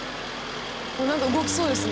なんか動きそうですね。